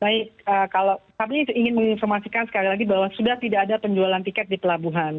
baik kalau kami ingin menginformasikan sekali lagi bahwa sudah tidak ada penjualan tiket di pelabuhan